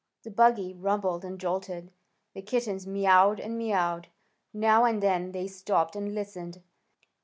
The buggy rumbled and jolted. The kittens mewed and mewed. Now and then they stopped and listened.